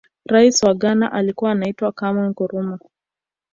raisi wa ghana alikuwa anaitwa kwame nkurumah